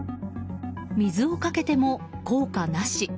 水をかけても効果なし。